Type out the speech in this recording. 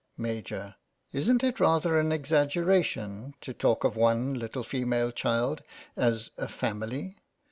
Maj, : Isn't it rather an exaggeration to talk of one little female child as a family?